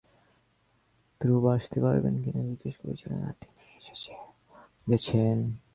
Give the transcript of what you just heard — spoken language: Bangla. ক্রুবা আসতে পারবেন কিনা জিজ্ঞেস করেছিলাম আর তিনি এসেও গেছেন।